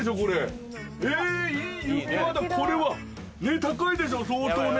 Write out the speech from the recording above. これは高いでしょ相当ね。